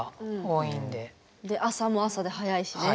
で朝も朝で早いしね。